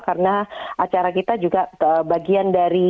karena acara kita juga bagian dari